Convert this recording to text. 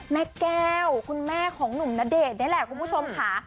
แม่แก้วคุณแม่ของหนุ่มณเดชน์นี่แหละคุณผู้ชมค่ะ